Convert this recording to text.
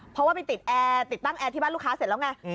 เพราะว่าไปติดแอร์ติดตั้งแอร์ที่บ้านลูกค้าเสร็จแล้วไง